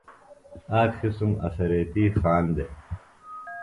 آک قِسم اڅھریتی خان دےۡ